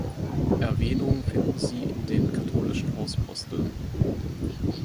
Erwähnung finden sie in den Katholischen Hauspostillen.